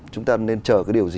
chúng ta nên chờ cái điều gì